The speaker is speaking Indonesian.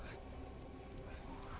sekali lebih banyak